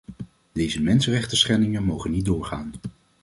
Deze mensenrechtenschendingen mogen niet doorgaan.